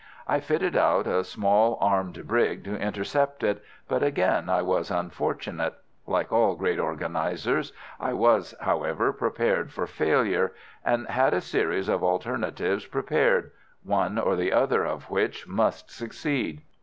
I fitted out a small armed brig to intercept it, but again I was unfortunate. Like all great organizers I was, however, prepared for failure, and had a series of alternatives prepared, one or the other of which must succeed.